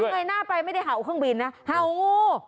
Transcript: เงยหน้าไปไม่ได้เห่าเครื่องบินนะเห่างู